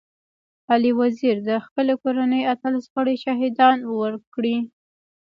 علي وزير د خپلي کورنۍ اتلس غړي شهيدان ورکړي.